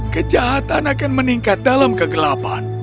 kejahatan akan meningkat dalam kegelapan